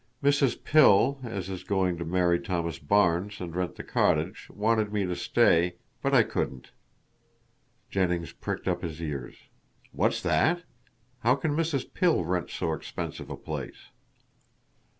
Mrs. Pill, as is going to marry Thomas Barnes and rent the cottage, wanted me to stay, but I couldn't." Jennings pricked up his ears. "What's that? How can Mrs. Pill rent so expensive a place."